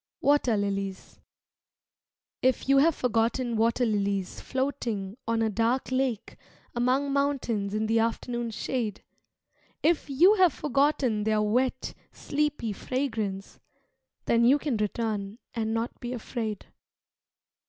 Water Lilies If you have forgotten water lilies floating On a dark lake among mountains in the afternoon shade, If you have forgotten their wet, sleepy fragrance, Then you can return and not be afraid.